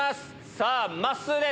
さあ、まっすーです。